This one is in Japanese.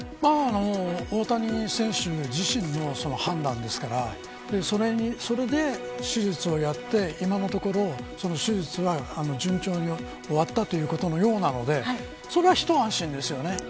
大谷選手自身の判断ですからそれで手術をやって今のところ手術は順調に終わったということのようなので一安心ですよね。